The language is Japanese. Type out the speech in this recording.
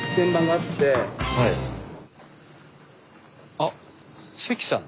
あっ関さん。